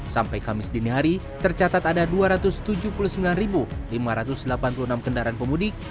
sampai kamis dini hari tercatat ada dua ratus tujuh puluh sembilan lima ratus delapan puluh enam kendaraan pemudik